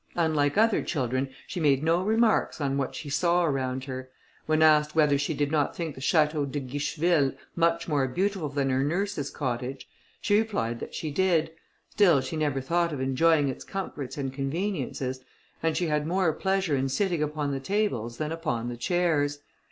Unlike other children, she made no remarks on what she saw around her. When asked whether she did not think the château de Guicheville much more beautiful than her nurse's cottage, she replied that she did; still she never thought of enjoying its comforts and conveniences, and she had more pleasure in sitting upon the tables than upon the chairs.